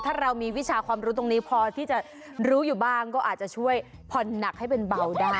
ถ้าเรามีวิชาความรู้ตรงนี้พอที่จะรู้อยู่บ้างก็อาจจะช่วยผ่อนหนักให้เป็นเบาได้